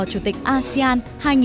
chủ tịch asean hai nghìn hai mươi